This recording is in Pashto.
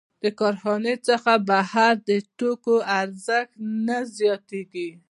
د کارخانې څخه بهر د توکو ارزښت نه زیاتېږي